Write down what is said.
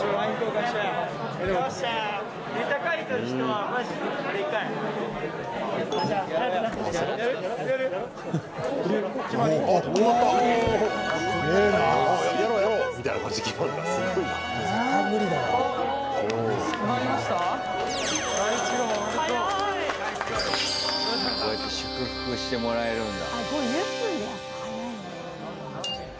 こうやって祝福してもらえるんだ。